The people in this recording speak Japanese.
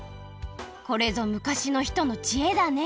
これぞ昔の人のちえだね